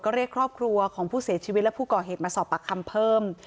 ก็เรียกครอบครัวของผู้เสียชีวิตและผู้ก่อเหตุมาสอบปากคำเพิ่ม